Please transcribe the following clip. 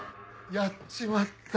やっちまった。